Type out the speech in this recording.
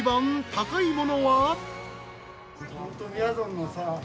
高いもの？